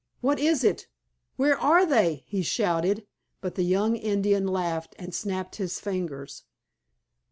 "What is it? Where are they?" he shouted, but the young Indian laughed and snapped his fingers.